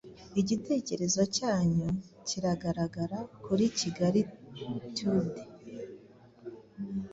Igitekerezo cyanyu kiragaragara kuri Kigali Tude